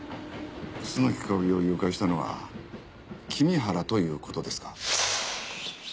楠木香織を誘拐したのは君原という事ですか。